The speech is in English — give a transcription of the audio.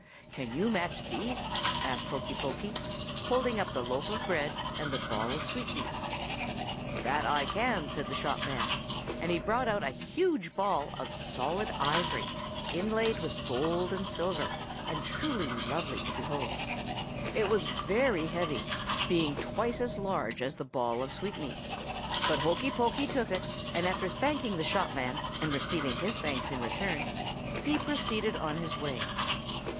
"'Can you match these?' asked Hokey Pokey, holding up the loaf of bread and the ball of sweetmeats. "'That can I,' said the shop man; and he brought out a huge ball of solid ivory, inlaid with gold and silver, and truly lovely to behold. It was very heavy, being twice as large as the ball of sweetmeats; but Hokey Pokey took it, and, after thanking the shop man and receiving his thanks in return, he proceeded on his way.